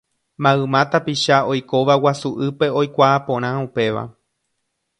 Mayma tapicha oikóva Guasu'ýpe oikuaa porã upéva.